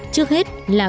trước hết là